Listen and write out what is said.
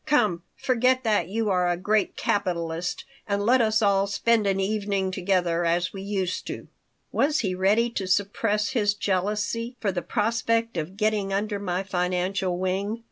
Come, forget that you are a great capitalist and let us all spend an evening together as we used to." Was he ready to suppress his jealousy for the prospect of getting under my financial wing?